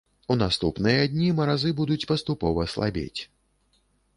У наступныя дні маразы будуць паступова слабець.